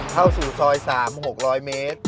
เข้าสิ้นซอย๓ศักดิ์๖๐๐เมตร